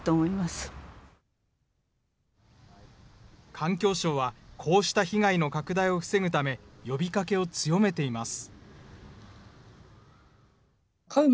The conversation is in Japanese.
環境省は、こうした被害の拡大を防ぐため、呼びかけを強めています。